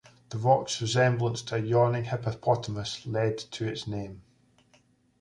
The rock's resemblance to a yawning hippopotamus led to its name.